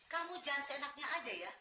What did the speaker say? kamu jangan seenaknya aja ya